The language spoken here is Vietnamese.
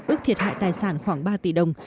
ước thiệt hại tài sản khoảng ba tỷ đồng